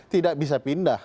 tidak bisa pindah